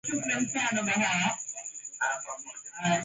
zao na huduma Ndiyo asili ya nyaraka mbalimbali ambazo zinaunda